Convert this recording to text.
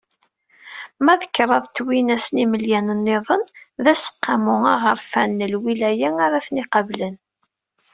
Ma d kraḍ twinas yimelyan-nniḍen d Aseqqamu Aɣerfan n Lwilaya ara ten-iqablen.